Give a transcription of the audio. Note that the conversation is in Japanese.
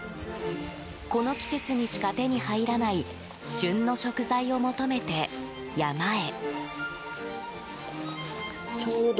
この季節にしか手に入らない旬の食材を求めて山へ。